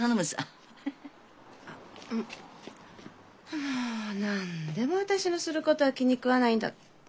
もう何でも私のすることは気に食わないんだ。